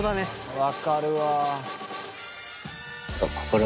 分かるわ。